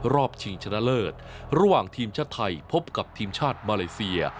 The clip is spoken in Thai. ชิงชนะเลิศระหว่างทีมชาติไทยพบกับทีมชาติมาเลเซีย